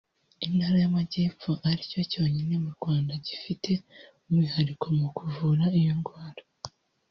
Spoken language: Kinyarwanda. Intara y’Amajyepfo aricyo cyonyine mu Rwanda gifite umwihariko mu kuvura iyo ndwara